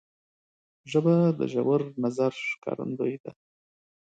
ژبه د ژور نظر ښکارندوی ده